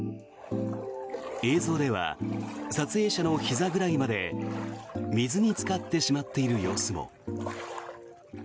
映像では撮影者のひざぐらいまで水につかってしまっている様子も。